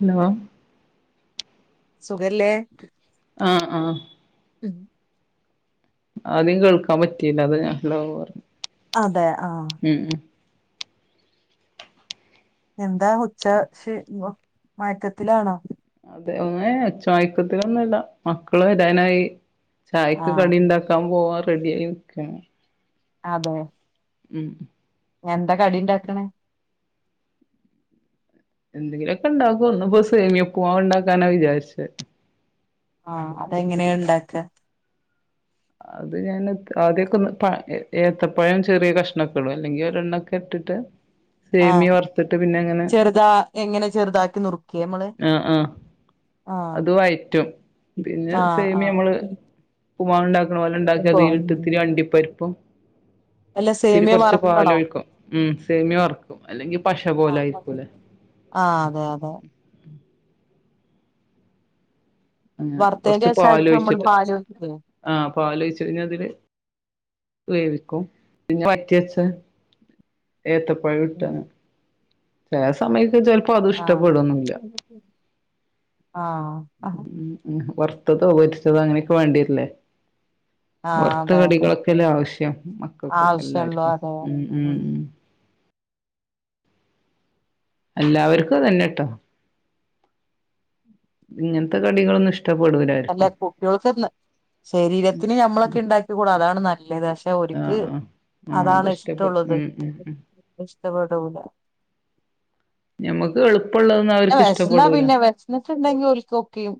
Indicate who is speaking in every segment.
Speaker 1: Hello
Speaker 2: സുഖെല്ലേ.
Speaker 1: ആഹ് ആ
Speaker 2: ഉം
Speaker 1: ആദ്യം കേൾക്കാൻ പറ്റിയില്ല. അതാ ഞാൻ ഹലോറ്ഞ്
Speaker 2: അതെ ആഹ്.
Speaker 1: ഉം ഉം
Speaker 2: എന്താ മുച്ച ശ് ഇൻവൊ മയക്കത്തിലാണോ
Speaker 1: അതെ ഉം ഏഹ് ഉച്ചമയക്കത്തിലൊന്നുല്ല മക്കള് വെരാനായി ചായക്ക് കടി
Speaker 2: ആഹ്
Speaker 1: ഇണ്ടാക്കാം പോവാൻ റെഡിയായി നിക്കാണ്
Speaker 2: അതെ
Speaker 1: ഉം
Speaker 2: എന്താ കടി ഇണ്ടാക്ക്ണ്
Speaker 1: എന്തെങ്കിലും ഒക്കെ ഇണ്ടാക്കും ഇന്ന്പ്പൊ സേമിയ ഉക്കുമാവ് ഇണ്ടാക്കാനാ വിജാരിച്ച്
Speaker 2: ആഹ് അതെങ്ങെനെ ഇണ്ടാക്കാ
Speaker 1: അത് ഞാനൊക്ക ആദ്യൊക്കെ ഒന്ന് പ്പണിട്ത്ത് ഏത്തപ്പഴം ചെറിയ കഷ്ണൊക്കെ ഇടും എല്ലെങ്കി ഒരെണ്ണൊക്കെ ഇട്ടിട്ട്
Speaker 2: [inaudible]
Speaker 1: സേമിയേ വർത്തിട്ട് പിന്നെ അങ്ങനെ
Speaker 2: ചെറുതാ എങ്ങനെ ചെറുതാക്കി നുറുക്കേ നമ്മള്
Speaker 1: ആഹ് ആഹ്
Speaker 2: ആഹ്
Speaker 1: അത് വയറ്റും പിന്നെ
Speaker 2: ആഹ്
Speaker 1: സേമിയം
Speaker 2: ആഹ്
Speaker 1: ഇമ്മള് ഉപ്പുമാവ് ഇണ്ടാക്ക പോലെ ഇണ്ടാക്കാ
Speaker 2: ഓ
Speaker 1: അതീല് ഇട്ട് ഇത്തിരി അണ്ടിപ്പരിപ്പും
Speaker 2: അല്ല
Speaker 1: ഇത്തിരി
Speaker 2: സേമിയ
Speaker 1: കൊർച്ച്
Speaker 2: വറക്കണോ
Speaker 1: പാലൊയിക്കും ഉം സേമിയാേ വർക്കും അല്ലെങ്കി പശപോ
Speaker 2: ആഹ് പശേ ആഹ് അതെ അതെ
Speaker 1: [unintelligible] കൊർച്ച്
Speaker 2: വറുത്തേന്റെ ശേഷായിരിക്കും നമ്മൾ
Speaker 1: പാലൊയിച്ചിട്ട്
Speaker 2: പാല് ഒഴിക്കല്
Speaker 1: ആഹ് പാലൊയിച്ച്‌ ഇനി അതില് വേവിക്കും ഇഞ്ഞ് പറ്റാച്ചാ
Speaker 2: ഉം
Speaker 1: ഏത്തപ്പഴും ഇട്ടാ ചെലേ സമയത്ത് ചെൽ
Speaker 2: ആഹ് [unintelligible] ആഹ്
Speaker 1: ഉം ഉം വർത്തതോ പൊരിച്ചതോ അങ്ങനെയെക്കെ വാണ്ടേര്ല്ലേ
Speaker 2: [inaudible]
Speaker 1: വർത്ത
Speaker 2: അതെ അതെ
Speaker 1: കടികളൊക്കെല്ലേ ആവശ്യം മക്കക്കും
Speaker 2: ആവശ്യള്ളൂ
Speaker 1: എല്ലാര്ക്കും
Speaker 2: അതെ
Speaker 1: ഉം ഉം ഉം എല്ലാവെര്ക്കും അതെന്നെട്ടോ ഇങ്ങൻത്തെ കടികളൊന്നും ഇഷ് ട്ടപ്പെടൂലേ
Speaker 2: അല്ല കുട്ടിയോൾക്കെന്ന് ശെരീരത്തിന് ഞമ്മളെക്കെ ഇണ്ടാക്കിക്കൂടാ അതാണ് നല്ലത് പക്ഷെ പിന്നെ ഓര്ക്ക്
Speaker 1: ആഹ് ആഹ് ആഹ് അത്
Speaker 2: അതാണ്
Speaker 1: ഇഷ്ടപ്പെടും
Speaker 2: ഇഷ്ട്ടൊള്ളത്
Speaker 1: ഉം ഉം ഉം
Speaker 2: ഇഷ്ടപ്പെടൂല
Speaker 1: ഞമ്മക്ക് എള്പ്പള്ളതൊന്നും അവർക്ക് ഇഷ്ടപ്പെടൂലാ
Speaker 2: ഇന്ന്ട്ട് ഇണ്ടെങ്ങി ഓൽക്ക് ഒക്കെയും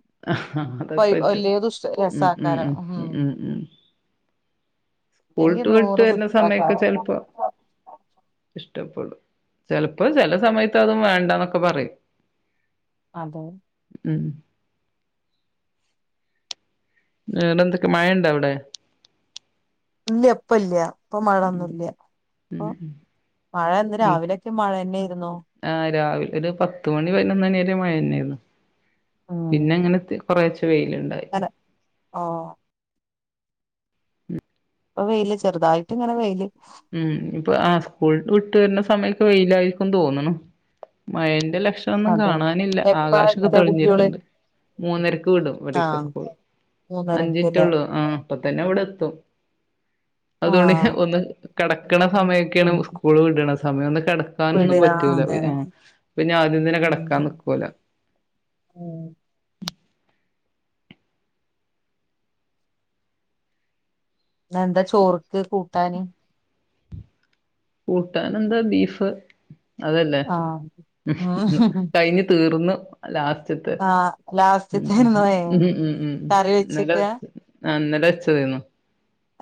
Speaker 1: അതൊക്കെ
Speaker 2: വൈ
Speaker 1: പറ്റും
Speaker 2: വലിയ ദുസ് രസാക്കാരം ഉം ഇല്ലെങ്കി
Speaker 1: സ്കൂള്ട്ട് വിട്ട്
Speaker 2: നൂറ്
Speaker 1: വെര്ന സമയൊക്ക
Speaker 2: കുറ്റാക്കാരം
Speaker 1: ചെൽപ്പൊ ഇഷ്ടപ്പെടും ചെലപ്പം ചെല സമയത്ത് അതും വേണ്ടാന്നൊക്കെ പറയും
Speaker 2: അതെ
Speaker 1: ഉം വേറെ എന്തെക്കെ മയ ഇണ്ടഅവ്ടെ
Speaker 2: ഇല്ല്യ ഇപ്പ ഇല്ല്യ ഇപ്പ
Speaker 1: ഉം
Speaker 2: മഴൊന്നുല്യ
Speaker 1: ഉം
Speaker 2: ഇപ്പൊ
Speaker 1: ഉം
Speaker 2: മഴ ഇന്ന്
Speaker 1: ഉം
Speaker 2: രാവിലെ റ്റ് മഴെന്നേര്ന്നു
Speaker 1: ആഹ് രാവിലെ ഒരു പത്ത്മണി പയ്നൊന്ന് മണി വരെ മയന്നേര്ന്നു പിന്നെ എങ്ങനെത്തേക്കും കൊറേച്ചെ വെെല്ണ്ടായി
Speaker 2: ഓഹ് ഇപ്പ വെെല് ചെറ്തായിട്ട് ഇങ്ങനെ വെെല്
Speaker 1: ഉം ഇപ്പ ആഹ് സ്കൂൾ വിട്ട് വെരുന്ന സമയൊക്കെ വെെലായിരിക്കുംന്ന് തോന്ന്ണ് മയെന്റ ലക്ഷ് ണം ഒന്നും
Speaker 2: അതെ
Speaker 1: കാണാനില്ല
Speaker 2: എപ്പഴാ
Speaker 1: ആകാശൊക്കെ
Speaker 2: എത്ത
Speaker 1: തെളിഞ്ഞ്
Speaker 2: കുട്ടികള്
Speaker 1: ഇരിക്ക്ണ്ട് മൂന്നരക്ക് വിടും ഇവെടെക്കെ
Speaker 2: ആഹ്
Speaker 1: സ്കൂള് അഞ്ച്
Speaker 2: മൂന്നരക്കല്ലേ
Speaker 1: മിനിറ്റേള്ളൂ ആഹ് ഇപ്പ തന്നെ ഇവടെ എത്തും അതുകൊണ്ട്
Speaker 2: ആഹ്
Speaker 1: ഒന്നും കെടക്കണ സമയക്കേണ് സ്കൂള് വിടണ സമയം ഒന്ന് കെട ക്കാനൊന്നും
Speaker 2: വിടുക
Speaker 1: പറ്റൂല
Speaker 2: അതെ
Speaker 1: ഉം പിന്ന ആദ്യം തന്നെ കെടക്കാൻ നിക്കൂല
Speaker 2: ഉം ഇന്ന് എന്താ ചോറ്ക്ക് കൂട്ടാന്
Speaker 1: കൂട്ടാൻ എന്താ ബീഫ് അതല്ലേ
Speaker 2: ആഹ്
Speaker 1: ഉം
Speaker 2: ആഹ്
Speaker 1: കഴിഞ്ഞ് തീർന്ന് ലാസ്റ്റത്ത്
Speaker 2: ആഹ്
Speaker 1: ഉം
Speaker 2: ലാസ്റ്റ്ത്തെരുന്നോ
Speaker 1: ഉം ഉം
Speaker 2: കറി
Speaker 1: ഇന്നല
Speaker 2: വെച്ചക്ക
Speaker 1: വെച്ച ആഹ് ഇന്നല വെച്ചതെയ്ന്നു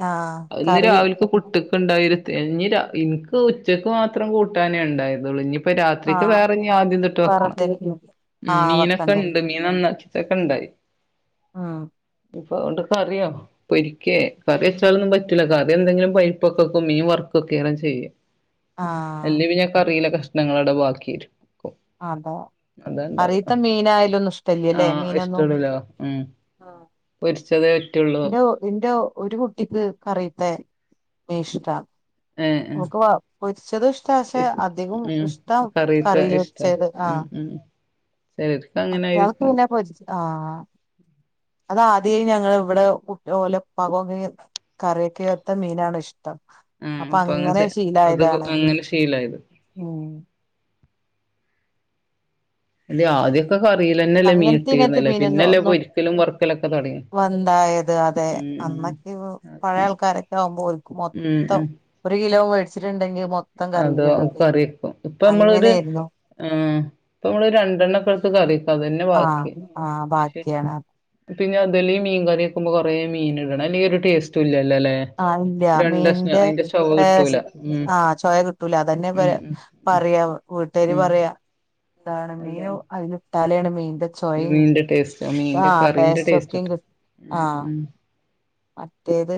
Speaker 2: ആഹ്
Speaker 1: അയ് ഇന്ന്
Speaker 2: കറി
Speaker 1: രാവിലക്ക് പുട്ട് [unintelligible] ഇന്ക്ക് ഉച്ചക്ക് മാത്രം കൂട്ടാനേ ഉണ്ടായതുള്ളൂ ഇനി ഇപ്പ രാത്രിക്ക്
Speaker 2: ആഹ്
Speaker 1: വേറെഞ്ഞി ആദ്യം തൊട്ട് വെക്കണം
Speaker 2: [unintelligible]
Speaker 1: ഉം മീനക്ക
Speaker 2: വെക്കണ്ടേ
Speaker 1: ഇണ്ട് മീൻ നന്നാക്കിച്ച് വെക്കല് ഇണ്ടായി
Speaker 2: ആഹ്
Speaker 1: ഇപ്പ ഒണ്ട് കറിയാം പൊരിക്കേ കറി വെച്ചാലൊന്നും പറ്റൂല കറി എന്തെങ്കിലും പരിപ്പൊക്ക വെക്കും മീൻ വർക്കൊക്കെ ചെയ്യും
Speaker 2: ആഹ്
Speaker 1: അല്ലേ പിന്ന കറീല കഷ്ണങ്ങള് അവിടെ ബാക്കി വരും
Speaker 2: അതാ
Speaker 1: ഇണ്ടാവാ
Speaker 2: കറിയിത്തെ മീനായാലോന്ന ഇഷ്ടല്ല്യല്ലേ
Speaker 1: ആഹ്
Speaker 2: മീനാന്നും
Speaker 1: പൊരിച്ചത്
Speaker 2: ഇന്റ ഇന്റോ ഒരു കുട്ടിക്ക് കറിയിത്തെ മീൻ ഇഷ്ടാ
Speaker 1: ഏഹ് ഏഹ്
Speaker 2: ഓക്ക് വ പൊരിച്ചത് ഇഷ്ട പക്ഷേ
Speaker 1: ഇഷ്
Speaker 2: അധികം
Speaker 1: ഉം
Speaker 2: ഇഷ്ടം
Speaker 1: കറിത്തെ
Speaker 2: കറിയില് വെ
Speaker 1: [unintelligible] ഉം ഉം ശരി എടി
Speaker 2: മറ്റാൾക്ക് പിന്ന പൊരിച്ച ആഹ് അത് ആദ്യേ ഞങ്ങള് ഇവട കുട്ടി ഓല ഇപ്പാകൊ [unintelligible] കറിക്കകത്ത മീനാണ് ഇഷ്ടം
Speaker 1: ആഹ്
Speaker 2: അപ്പ
Speaker 1: അപ്പൊ
Speaker 2: അങ്ങനെ
Speaker 1: ചെ അത്
Speaker 2: ശീലായതാണ്
Speaker 1: അങ്ങനെ ശീലായത്
Speaker 2: ഉം
Speaker 1: അതെ ആദ്യോക്കെ കറിയില് തന്നല്ലേ മീൻ
Speaker 2: അങ്ങനത്തെ ഇങ്ങനത്തെ
Speaker 1: ഇട്ടിരുന്നല്ലേ
Speaker 2: മീനൊന്നും
Speaker 1: പിന്നല്ലേ
Speaker 2: ഒന്നും
Speaker 1: പൊരിക്കലും വർക്കലൊക്ക തൊടങ്ങി
Speaker 2: വന്തായത് അതെ
Speaker 1: ഉം ഉം
Speaker 2: അന്നക്കെ
Speaker 1: അപ്പൊ
Speaker 2: പഴയ ആൾക്കാരൊക്ക ആകുമ്പോ ഓൽക്ക്
Speaker 1: ഉം
Speaker 2: മൊത്തം ഒര് കിലോ മേടിച്ചിട്ടുണ്ടെങ്കി മൊ
Speaker 1: അതോ കറിവെക്കും ഇപ്പ നമ്മളൊര്
Speaker 2: അങ്ങനെയായിരുന്നു
Speaker 1: ആഹ് ഇപ്പ നമ്മള് രണ്ടെണ്ണക്കെട്ത്ത് കറിവെക്കും അതന്നെ ബാക്കി
Speaker 2: ആഹ് ആഹ്
Speaker 1: ശെ
Speaker 2: ബാക്കിയാണ്
Speaker 1: പിന്ന അതില് മീൻ കറി വെക്കുമ്പോ കൊറേ മീൻ ഇടണം അല്ലെങ്കി ഒര് ടേസ്റ്റ് ഇല്ലാല്ലോ അല്ലേ
Speaker 2: ആഹ് ഇല്ല
Speaker 1: രണ്ട് കഷ്ണം
Speaker 2: മീന്റെ
Speaker 1: അയിന്റെ ചൊവ കിട്ടൂല
Speaker 2: ടേസ്റ്റ്
Speaker 1: ഉം
Speaker 2: ആഹ് ചെയ കിട്ടൂല അതന്നെ
Speaker 1: ഉം ഉം ഉം
Speaker 2: പറയാ വീട്ടുകാര്
Speaker 1: ഉം
Speaker 2: പറയാ അതാണ് മീനോ അതില് ഇട്ടാലെയ് മെയിൻ ചോയും
Speaker 1: മീന്റെ ടേസ്റ്റ് മീന്റെ
Speaker 2: ആഹ്
Speaker 1: കറിന്റെ ടേസ്റ്റ്
Speaker 2: ടേസ്റ്റൊക്കെ
Speaker 1: ട്ടാ
Speaker 2: കി
Speaker 1: ഉം
Speaker 2: ആഹ്
Speaker 1: ഉം
Speaker 2: മറ്റേത്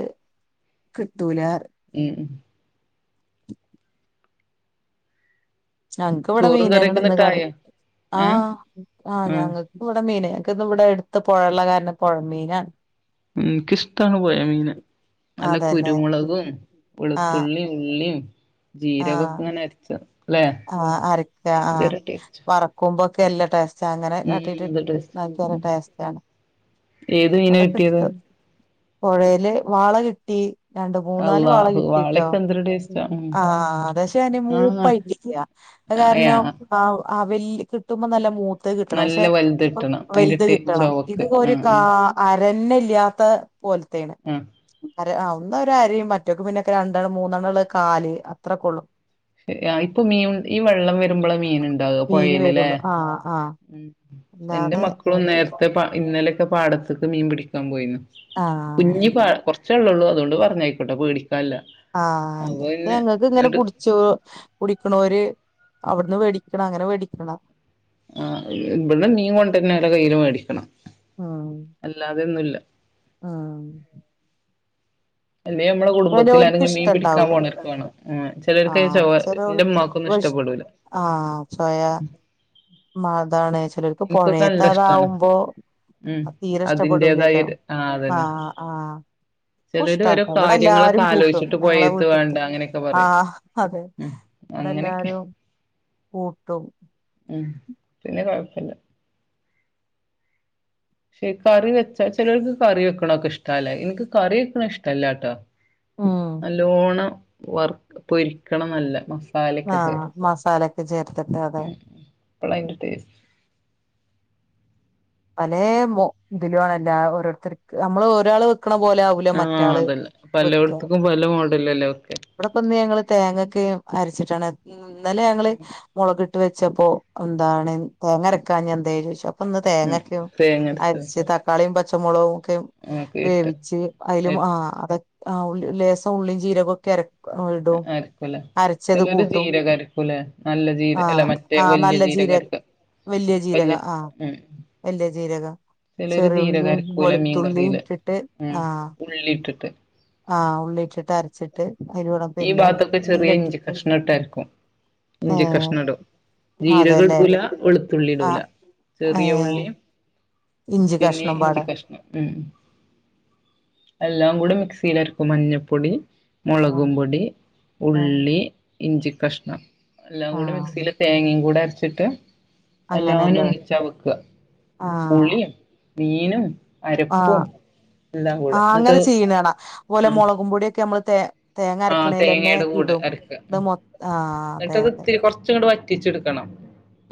Speaker 2: കിട്ടൂല
Speaker 1: ഉം
Speaker 2: ഞങ്ങക്ക് ഇവിടെ
Speaker 1: ചോറും കറിയൊക്കെ
Speaker 2: മീനങ്ങന്ന് ഇന്ന് കറി
Speaker 1: ന്നിട്ടായോ ഏഹ്
Speaker 2: ആഹ് ആഹ് ഞങ്ങ ക്ക്‌ ഇവിടെ മീൻ ഞങ്ങക്ക് ഇവിടെ അടുത്ത പുഴള്ള കാരണം പുഴ മീനാണ്
Speaker 1: എനിക്കിഷ്ടാണ് പുഴ മീൻ നല്ല
Speaker 2: അതെല്ലേ
Speaker 1: കുരുമുളകും
Speaker 2: ആഹ്
Speaker 1: വെളുത്തുള്ളീം ഉള്ളിയും
Speaker 2: ആഹ്
Speaker 1: ജീരകൊക്കെ ഇങ്ങനെ അരച്ച
Speaker 2: ആഹ് അരക്ക ആഹ്
Speaker 1: ടേസ്റ്റ്
Speaker 2: വറക്കുമ്പോക്കെ അല്ലെ ടെസ് റ്റ അങ്ങനെ
Speaker 1: ഉം
Speaker 2: കട്ടിട്ട്
Speaker 1: എന്ത് ടേസ്റ്റ്
Speaker 2: നല്ലരു
Speaker 1: ഉം
Speaker 2: ടേസ്റ്റ് ആണ്
Speaker 1: ഏത് മീനാ
Speaker 2: കൊറേ
Speaker 1: കിട്ടിയത്
Speaker 2: കിട്ടു പുഴയില് വാള കിട്ടി രണ്ട് മൂന്നാല് വാള
Speaker 1: അള്ളാഹു
Speaker 2: കിട്ടിട്ടോ
Speaker 1: വാളൊക്കെ എന്തൊരു ടേസ്റ്റാ ഉം
Speaker 2: ആഹ് പക്ഷേ അത്
Speaker 1: ആഹ്
Speaker 2: മൂപ്പായിട്ടി ല്ല അത്
Speaker 1: അയാ
Speaker 2: കാരണം ആഹ് ആഹ് വല്യ കിട്ടുമ്പോ നല്ല മൂത്തത് കിട്ടണം
Speaker 1: നല്ല
Speaker 2: പക്ഷെ
Speaker 1: വലുത്
Speaker 2: ഇപ്പ
Speaker 1: കിട്ടണം അയിന്റെ
Speaker 2: വലുത്
Speaker 1: ടെ
Speaker 2: കിട്ടണം ഇത്
Speaker 1: ചൊവക്ക്
Speaker 2: ഒരു
Speaker 1: ആഹ്
Speaker 2: കാ
Speaker 1: ആഹ്
Speaker 2: അരന്ന ഇല്ലാത്ത പോലത്തെയാണ്
Speaker 1: ഉം
Speaker 2: അര അഹ് ഒന്ന് ഒരു അരയും മറ്റോക്കെ പിന്നൊക്കെ രണ്ടെണ് മൂന്നെണ്ണ ഉള്ള കാല് അത്ര കൊള്ളും
Speaker 1: ഇപ്പൊ മീൻ ഈ വെള്ളം വരുമ്പോള മീൻ ഉണ്ടാക
Speaker 2: മീന്
Speaker 1: പുഴയില്ല് ല്ലേ
Speaker 2: വരുള്ളൂ ആഹ് ആഹ്
Speaker 1: ഉം എന്റെ
Speaker 2: അല്ലാതെ
Speaker 1: മക്കളും നേരത്തെ പാ ഇന്നലെക്കെ പാടത്തക്ക്‌ മീൻ പിടിക്കാൻ പോയിന്നു
Speaker 2: ആഹ്
Speaker 1: കുഞ്ഞി പ കുറച്ചേള്ളെള്ളൂ അതുകൊണ്ട് പറഞ്ഞായിക്കുട്ടൊ പേടിക്കാല്ല
Speaker 2: ആഹ് അല്ല
Speaker 1: അപ്പൊ പിന്നെ
Speaker 2: ഞങ്ങക്ക് ഇങ്ങനെ
Speaker 1: ന്നട്ട്
Speaker 2: പുടി ച്ചു കുടിക്കണോര് അവിടുന്ന് മേടിക്കണം അങ്ങനെ മേടിക്കണ
Speaker 1: ആഹ് ഇവിടെ മീൻ കൊണ്ടന്നല്ല കയ്യില് മേടിക്കണം
Speaker 2: ആഹ്
Speaker 1: അല്ലാതെയൊന്നുല്ല
Speaker 2: ആഹ്
Speaker 1: അല്ലെ നമ്മടെ കുടുംബത്തിൽ
Speaker 2: ചെലോര്ക്ക്
Speaker 1: ആരെങ്കി മീൻ പിടിക്കാൻ
Speaker 2: ഇഷ്ടണ്ടാവൂല
Speaker 1: പോണർക്കാണ് ഉം ചിലവർക്ക് അയിന്റെ
Speaker 2: ആഹ്
Speaker 1: ചൊവ
Speaker 2: ചെലോൽക്ക്
Speaker 1: എന്റുമ്മക്കൊന്നും
Speaker 2: ഇഷ്
Speaker 1: ഇഷ്ടപ്പെടുല്ല
Speaker 2: ആഹ് സോയാ അതാണ് ചിലർക്ക്
Speaker 1: ഇൻക്കൊക്കെ
Speaker 2: പുഴയത്തെ
Speaker 1: നല്ല ഇഷ്ടാണ്
Speaker 2: അതാവുമ്പോ
Speaker 1: ഉം
Speaker 2: തീരെ
Speaker 1: അതിന്റേതായ
Speaker 2: ഇഷ്ടപ്പെടൂലല്ലോ
Speaker 1: ഒരു അതന്നെ
Speaker 2: ആഹ് ആഹ് ക്കും
Speaker 1: ചിലര് ഓരോ
Speaker 2: ഇഷ്ടാട്ടോ ഇവിടെ
Speaker 1: കാര്യങ്ങളൊക്കെ
Speaker 2: എല്ലാരും കൂട്ടും
Speaker 1: ആലോചിച്ചിട്ട്
Speaker 2: ഞങ്ങളെ
Speaker 1: പോയേത്ത്
Speaker 2: വീട്ടത്ത്
Speaker 1: വേണ്ട അങ്ങനെയൊക്കെ പറയും
Speaker 2: ആഹ് അതെ
Speaker 1: ഉം
Speaker 2: ഇവിടെ
Speaker 1: അങ്ങനെയൊക്കെ
Speaker 2: എല്ലാരും കൂട്ടും
Speaker 1: ഉം പിന്നെ കുഴപ്പില്ല പക്ഷേ കറി വെച്ചാ ചിലർക്ക് കറി വെക്കണൊക്കെ ഇഷ്ടല്ലേ എനിക്ക് കറി വെക്കണ ഇഷ്ടല്ലാട്ടോ
Speaker 2: ഉം
Speaker 1: നല്ലോണം വർക്ക് പൊരിക്കണം നല്ല മസാലൊക്കെ
Speaker 2: ആഹ്
Speaker 1: ചേർത്ത്
Speaker 2: മസാലക്കെ ചേർത്തിട്ട് അതെ
Speaker 1: അപ്പള അതിന്റെ ടേസ്റ്റ്
Speaker 2: പല ഇതിലു ആണല്ല ഓരോരുത്തർക്ക് നമ്മള് ഒരാള് വെക്കണ പോലെ ആവു
Speaker 1: ആഹ് അതല്ലേ പലയിടത്തക്കും പല മോഡലല്ലേ വെക്ക
Speaker 2: ഇവിടെ പിന്ന് ഞങ്ങള് തേങ്ങൊക്കെ അരച്ചിട്ടാണ് ഇന്നലെ ഞങ്ങള് മുളകി ട്ടു വെച്ചപ്പോ എന്താണ് തേങ്ങരക്കാഞ്ഞെ എന്തേന്ന് ചോച്ചു അപ്പൊ ഇന്ന്
Speaker 1: ഉം
Speaker 2: തേങ്ങക്ക്‌
Speaker 1: തേങ്ങരച്ചത്
Speaker 2: അരിച്ചി ട്ട് തക്കാളിയും പച്ചമുളകൊക്കെ
Speaker 1: ഒക്കെ ഇട്ട്
Speaker 2: വേവിച്ച് അയിലു ആഹ് അത ആഹ് ഓല് ലേസം ഉള്ളിയും ജീരകൊക്കെ അര ഇടും
Speaker 1: അരക്കൂല
Speaker 2: അരച്ചത്
Speaker 1: ചിലൊരു
Speaker 2: കൂട്ടും
Speaker 1: ജീരൊകൊ അരിക്കൂല നല്ല ജീര അല്ല മ റ്റെ വല്യ ജീരോകൊ അരക്ക
Speaker 2: വല്യ ജീരക ആഹ് വല്യ ജീരക
Speaker 1: ചിലര് ജീരകം
Speaker 2: ചെറിയുള്ളിയും
Speaker 1: അരക്കൂല
Speaker 2: വെളുത്തുള്ളിയും ഇട്ടിട്ട് ആഹ്
Speaker 1: ഉള്ളിട്ടിട്ട്
Speaker 2: ആഹ് ഉള്ളിട്ടിട്ട് അരച്ചിട്ട് അയിലൂടെ
Speaker 1: ഈ
Speaker 2: പിന്നെ
Speaker 1: ഭാഗത്തൊക്കെ
Speaker 2: മീൻ
Speaker 1: ചെറിയ ഇഞ്ചി
Speaker 2: ഇട്ടിട്ടു
Speaker 1: കഷ്ണം ഇട്ടരക്കും ഇഞ്ചി കഷ്ണം ഇടും ജീരകം
Speaker 2: അതല്ലേ
Speaker 1: ഇടൂല വെളുത്തുള്ളി ഇടൂല
Speaker 2: ആഹ്
Speaker 1: ചെറിയ
Speaker 2: ഏഹ്
Speaker 1: ഉള്ളിം
Speaker 2: ഇഞ്ചി
Speaker 1: പിന്നെ
Speaker 2: കഷ്ണം
Speaker 1: ഈ ഇഞ്ചി
Speaker 2: പാടെ
Speaker 1: കഷ്ണം ഉം എല്ലാം കൂടെ മിക്സിയിലരക്കും മഞ്ഞപ്പൊടി
Speaker 2: ആഹ്
Speaker 1: മുളകും പൊടി
Speaker 2: ആഹ്
Speaker 1: ഉള്ളി ഇഞ്ചി കഷ്ണം എല്ലാം കൂടി
Speaker 2: ആഹ്
Speaker 1: മിക്സിയില് തേങ്ങയും കൂടെ അരച്ചിട്ട് എല്ലാനും
Speaker 2: അങ്ങനെല്ലേ
Speaker 1: ഒന്നിച്ചാ വെക്കുക
Speaker 2: ആഹ്
Speaker 1: പുളിയും മീനും
Speaker 2: ആഹ്
Speaker 1: അരപ്പും എല്ലാം കൂടെ
Speaker 2: ആഹ്
Speaker 1: എന്നിട്ട്
Speaker 2: അങ്ങനെ ചെയ്യണ് കാണാ അതുപോലെ
Speaker 1: ആഹ്
Speaker 2: മുളകും പൊടിയൊക്കെ നമ്മള് തേ തേങ്ങ
Speaker 1: ആഹ്
Speaker 2: അരക്കണേലന്നെ
Speaker 1: തേങ്ങയുടെ കൂടെ
Speaker 2: ഇടും
Speaker 1: അരക്കാ.
Speaker 2: ഇത് മൊ ആഹ് അതെ
Speaker 1: ഇന്നട്ടത്
Speaker 2: അതെ
Speaker 1: ഒത്തിരി കൊറർച്ച് ങ്ങട് വ റ്റിച്ച്ട്ക്കണം.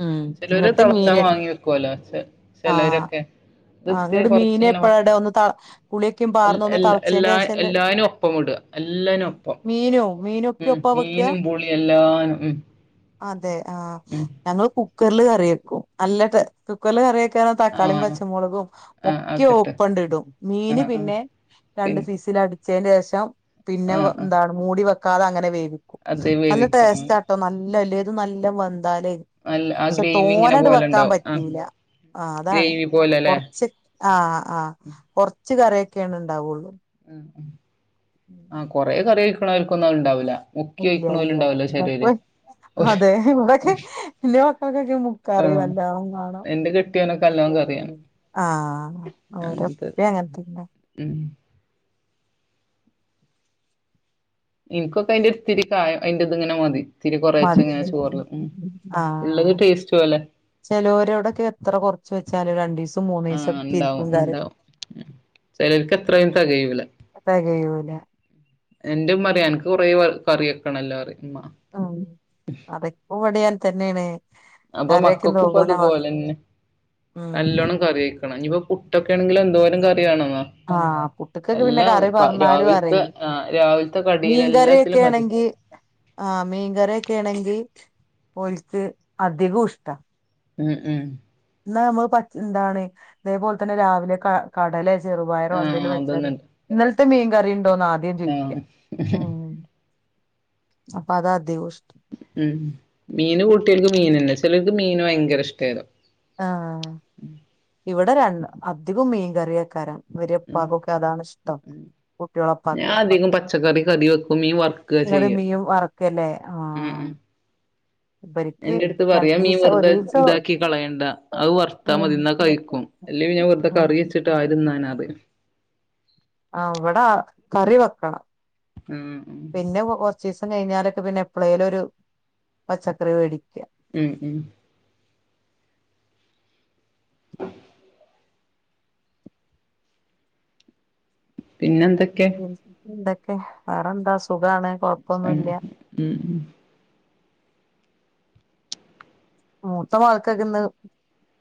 Speaker 2: ഉം
Speaker 1: ചെലോരത്
Speaker 2: ഇങ്ങട്ട്
Speaker 1: തളച്ചാ
Speaker 2: മീന്
Speaker 1: വാങ്ങി വെക്ക്വോല്ലോ. ചെ
Speaker 2: ആഹ്
Speaker 1: ചെലരൊക്കെ ഇത്
Speaker 2: ആഹ്
Speaker 1: ഇത്തിരി
Speaker 2: ഇങ്ങട്ട്
Speaker 1: കൊറച്ച്
Speaker 2: മീന്
Speaker 1: ഇങ്ങനെ വ
Speaker 2: എപ്പഴാ ഇടാ ഒന്ന് ത പുളിയൊക്കെ
Speaker 1: എൽ
Speaker 2: പാർന്ന് ഒന്ന്
Speaker 1: എൽ എല്ലാ
Speaker 2: തളച്ചേന്റെശല്ലേ
Speaker 1: എല്ലായിനും ഒപ്പം വിടാ. എല്ലനും ഒപ്പം.
Speaker 2: മീനും.
Speaker 1: ഉം മീനും പുളി എല്ലാനും ഉം
Speaker 2: അതെ ആഹ്
Speaker 1: ഉം
Speaker 2: ഞങ്ങള് കുക്കർല് കറി വെക്കും. നല്ല ടേ കുക്കറ്ല് കറി വെക്കാണെ തക്കാളിം
Speaker 1: ആഹ്
Speaker 2: പച്ച മുളകും
Speaker 1: ആഹ്
Speaker 2: ഒക്ക്യെ
Speaker 1: ആക്കട്ടെ
Speaker 2: ഒപ്പണ്ടിടും. മീന്
Speaker 1: ആഹ് ആഹ്
Speaker 2: പിന്നെ
Speaker 1: പിൻ
Speaker 2: രണ്ട് വിസിലട് ച്ചേൻ്റേഷം പിന്നെ വ
Speaker 1: ആഹ് ആഹ്
Speaker 2: എന്താണ് മൂടി വെക്കാതെ അങ്ങനെ വേവിക്കും
Speaker 1: അത്
Speaker 2: നല്ല
Speaker 1: വേവിക്കും ഉം
Speaker 2: ടേസ്റ്റാ ട്ടൊ നല്ല എല്ലേതും നല്ല വെന്താലേ.
Speaker 1: നല്ല ആ
Speaker 2: പക്ഷെ
Speaker 1: ഗ്രേവി ഇങ്ങനെ
Speaker 2: തോനട്
Speaker 1: പോലെ
Speaker 2: വെക്കാൻ
Speaker 1: ഉണ്ടാവും ആഹ്
Speaker 2: പറ്റൂല ആഹ് അതാണ്.
Speaker 1: ഗ്രേവി പോലെല്ലേ
Speaker 2: കൊർച്ച് ആഹ് ആഹ് കൊർച്ച് കറിയൊക്കേണ് ഉണ്ടാവൊള്ളൂ.
Speaker 1: ഉം ഉം ആഹ് കൊറെ കറി ഒഴിക്ക്ണാൽക്കൊന്നും അത്ണ്ടാവൂല്ല.
Speaker 2: ഇല്ല്യ ഇല്ല്യ വെക് വെ
Speaker 1: ഓല്
Speaker 2: അതെ ഇവിടൊക്കെ വല്ല്യ മക്കൾക്കൊക്കെ മു കറി
Speaker 1: ആഹ്
Speaker 2: നല്ലോണം മാണം.
Speaker 1: എന്റെ കെട്ടിയോനൊക്കെ നല്ല
Speaker 2: ആഹ് ഓരെ
Speaker 1: അങ്ങനത്തെ
Speaker 2: ഉപ്പി അങ്ങൻതന്നെ.
Speaker 1: ഉം ഇൻക്കൊക്കെ അയ്ന്റെ ഒരു ഇത്തിരി കായം അയ്ന്റെ ഇതിങ്ങനെ മതി. ഇത്തിരി കൊറേച്ചെങ്ങനെ
Speaker 2: മതില്
Speaker 1: ചോറ്ല് ഉം ഇള്ളത്
Speaker 2: ആഹ്
Speaker 1: ടേസ്റ്റ് പോലെ.
Speaker 2: ചെലോരോടൊക്കെ എത്ര കൊർച്ച് വെച്ചാലും രണ്ടീസം മൂന്നീസം
Speaker 1: ആഹ്
Speaker 2: ഒക്കെ
Speaker 1: ഇണ്ടാവും
Speaker 2: ഇരിക്കും കറി
Speaker 1: ഇണ്ടാവും ഉം. ചെലോൽക്ക് എത്രായാലും തെകയൂല്ല.
Speaker 2: തെകയൂല.
Speaker 1: എന്റെ ഉമ്മ പറയും അനക്ക് കുറേ കറി വെക്കണല്ലോ പറയും ഉമ്മ.
Speaker 2: ആഹ് കറിക്ക് ഇവടി അങ്ങൻ തന്നേണ്.
Speaker 1: അപ്പം മക്കക്കും ഇപ്പ അതുപോലെന്നെ.
Speaker 2: ഉം
Speaker 1: നല്ലോണം കറി ഒഴിക് കണം. ഇഞ്പ്പം പുട്ടൊക്കേണെങ്കില് എന്തോരം കറി വേണം ന്നോ.
Speaker 2: ആഹ് പുട്ട്ക്കൊക്കെ പിന്നെ കറി പാർന്നാലും
Speaker 1: രാവിലത്തെ
Speaker 2: അറീല്ല.
Speaker 1: ആ, രാവിലത്തെ കടിയിൽ എല്ലാത്തിലും കഥ
Speaker 2: മീൻകറിയൊക്കേണെങ്കി ആഹ് മീൻകറിയൊക്കേണെങ്കി ഓൽക്ക് അധികും ഇഷ്ടാ.
Speaker 1: ഉം ഉം
Speaker 2: ഇന്നാ നമ്മൾ പച്ച് എന്താണ് ഇതേപോൽതന്നെ രാവിലെ ക കടലേ ചെറുപയറോ
Speaker 1: ആ,
Speaker 2: എന്തെലും വെച്ചാല്
Speaker 1: അതൊന്നുണ്ട്
Speaker 2: ഇന്നൽത്തെ മീൻ കറിണ്ടോന്നാ ആ ദ്യം ചോയിക്കാ. ഉം അപ്പ അതാ അധികൂഷ്ടം.
Speaker 1: ഉം മീൻ കൂട്യോൽക്ക് മീനന്നെ. ചെലോർക്ക് മീന് ഭയങ്കര ഇഷ്ടേരും.
Speaker 2: ആഹ് ഇവടെ രൺ അധികും മീൻകറിയേക്കാരം. ഇവരെ
Speaker 1: ഉം
Speaker 2: ഇപ്പാക്കൊക്കെ അതാണ് ഇഷ്ടം. കുട്ട്യേള
Speaker 1: ഞാൻ
Speaker 2: ഇപ്പാക്ക്.
Speaker 1: അധികം പച്ചക്കറി കറി വെക്കും മീൻ വറുക്കുക
Speaker 2: ഇങ്ങട്
Speaker 1: ചെയ്യുക
Speaker 2: മീൻ വറക്കല്ലേ ആഹ് ഇവർക്ക്
Speaker 1: എന്റെടുത്ത് പറയാ ആ മീൻ
Speaker 2: രണ്ടീസം
Speaker 1: വെറുതെ
Speaker 2: ഒരീസം
Speaker 1: ഇതാക്കി കളയണ്ട അത് വർത്താ
Speaker 2: ഉം
Speaker 1: മതി ഇന്നാ കഴിക്കും. അല്ലേ പിന്നെ വെറുതെ
Speaker 2: ഉം
Speaker 1: കറിവെച്ചിട്ടാര് തിന്നാനാ പറയും.
Speaker 2: ആഹ് വടെ കറിവെക്കണം.
Speaker 1: ഉം ഉം
Speaker 2: പിന്നെ കൊ കൊർച്ചീസം കഴിഞ്ഞാലൊക്കെ പിന്നെ എപ്പളേലൊരു പച്ചക്കറി വേടിക്കാ.
Speaker 1: ഉം ഉം. പിന്നന്തൊക്കാ?
Speaker 2: [inaudible] വേറെന്താ സുഖാണ്
Speaker 1: ഉം
Speaker 2: കൊഴപ്പൊന്നുല്ല
Speaker 1: ഉം ഉം
Speaker 2: മൂത്ത മകക്കക്ക്ന്ന്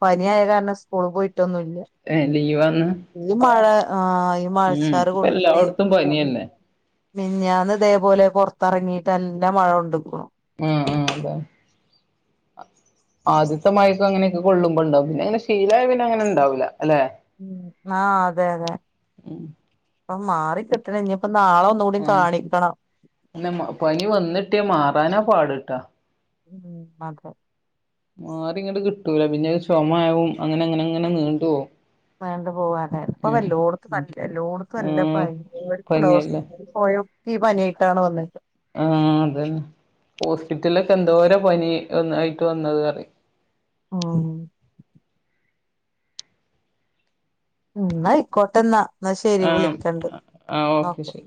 Speaker 2: പനിയായ കാരണം സ്കൂൾ പോയിട്ടൊന്നുല്ല
Speaker 1: ഏഹ് ലീവാന്ന്?
Speaker 2: ഈ മഴ ആഹ് ഈ
Speaker 1: ഉം
Speaker 2: മഴച്ചാറ്
Speaker 1: ഇപ്പൊ
Speaker 2: കൊണ്ട്ട്ടേ
Speaker 1: എല്ലായിടത്തും പനിയന്നെ
Speaker 2: മിഞ്ഞാന്ന് തേപോലെ പൊർത്തെറങ്ങീട്ടല്ല മഴൊ ണ്ടുക്കുണു.
Speaker 1: ഏഹ് ഏഹ് അതെ ആദ്യത്തെ മഴക്ക് അങ്ങനെയൊക്കെ കൊള്ളുമ്പെണ്ടാവും പിന്നെ അങ്ങനെ ശീലായ പിന്നെ ങ്ങനെ ണ്ടാവൂല അല്ലെ?
Speaker 2: ഉം ആഹ് അതെ അതെ
Speaker 1: ഉം
Speaker 2: പ്പം മാറി കിട്ടണെ ഞ്ഞിപ്പം നാളൊ ന്നൂ ടീം കാണിക്കണം.
Speaker 1: പിന്ന മ പനി വന്നിട്ട്യ മാറാനാ പാട് ട്ടോ.
Speaker 2: ഉം അതെ.
Speaker 1: മാറിങ്ങട്ട് കിട്ടൂല പിന്നഅ് ചൊമ ആകും അങ്ങനെ ങ്ങനെ ങ്ങനെ നീണ്ടുപോവും.
Speaker 2: നീണ്ട് പോവാണ് പ്പൊ വല്ലോടത്തും നല്ല എല്ലോടത്തും നല്ല
Speaker 1: ആഹ് പനിയല്ലേ
Speaker 2: [unintelligible] പോയൊ ക്കി പനിയായിട്ടാണ് വന്നേക്ക്
Speaker 1: ആഹ് അതെന്നെ ഹോസ്പിറ്റല്ലൊക്കെന്തോര പനി എന്നു ആയിട്ട് വന്നത് അറി
Speaker 2: ആണൊ ഉം ന്നായിക്കോട്ടെന്നാ ന്നാ ശരി
Speaker 1: ആഹ്
Speaker 2: വിളിക്കണ്ട്
Speaker 1: ആഹ് ഓക്കെ
Speaker 2: ഓകെ.
Speaker 1: ശരി